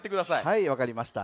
はいわかりました。